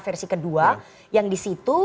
versi kedua yang di situ